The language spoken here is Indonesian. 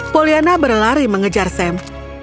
poliana berlari mengejar sam